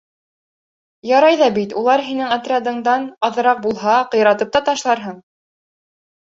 Ярай ҙа бит улар һинең отрядыңдан аҙыраҡ булһа, ҡыйратып та ташларһың.